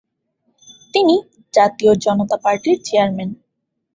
তিনি জাতীয় জনতা পার্টির চেয়ারম্যান।